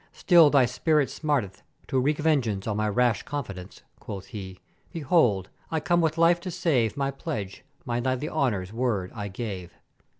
still thy spirit smarteth to wreak revenge on my rash confidence,' quoth he, 'Behold! I come with life to save my pledge, my knightly honour's word I gave.'